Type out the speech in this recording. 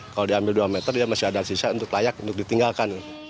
kalau diambil dua meter dia masih ada sisa untuk layak untuk ditinggalkan